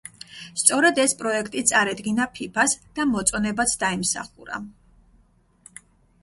სწორედ ეს პროექტი წარედგინა ფიფას და მოწონებაც დაიმსახურა.